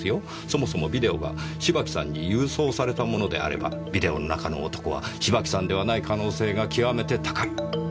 そもそもビデオが芝木さんに郵送されたものであればビデオの中の男は芝木さんではない可能性が極めて高い。